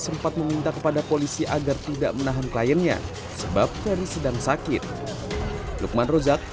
sempat meminta kepada polisi agar tidak menahan kliennya sebab ferry sedang sakit lukman rozak